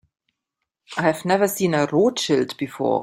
I have never seen a Rothschild before.